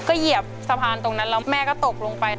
ก็เหยียบสะพานตรงนั้นแล้วแม่ก็ตกลงไป